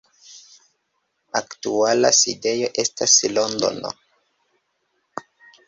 Aktuala sidejo estas Londono.